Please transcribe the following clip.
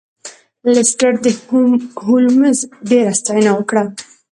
لیسټرډ د هولمز ډیره ستاینه وکړه.